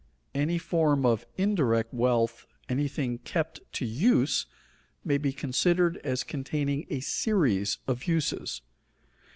Any form of indirect wealth, anything kept to use, may be considered as containing a series of uses.